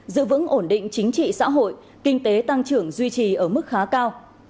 giữ vững ổn định chính trị xã hội kinh tế tăng trưởng duy trì ở mức khá cao